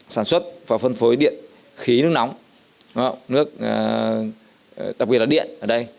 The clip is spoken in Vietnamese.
sản xuất và phân phối điện khí nước nóng nước đặc biệt là điện ở đây